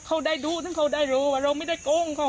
เค้าได้ดูแล้วเค้าได้รู้ว่าเราไม่ได้โกงเค้า